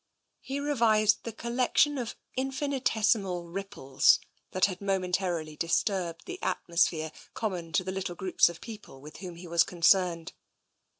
He revised the collection of infinitesimal ripples that had momentarily disturbed the atmosphere common to the little groups of people with whom he was concerned.